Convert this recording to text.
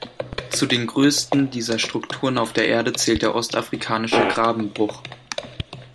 Zu den größten dieser Strukturen auf der Erde zählt der Ostafrikanische Grabenbruch.